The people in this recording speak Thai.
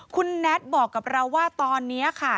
คุณแน็ตบอกกับเราว่าตอนนี้ค่ะ